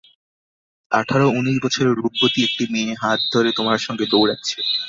আঠার-উনিশ বছরের রূপবতী একটি মেয়ে, হাত ধরে তোমার সঙ্গে দৌড়াচ্ছে।